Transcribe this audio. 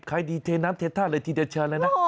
ดีเทน้ำเทท่าเลยทีเดียวเชิญเลยนะ